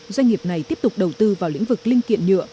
doanh nghiệp này tiếp tục đầu tư vào lĩnh vực linh kiện nhựa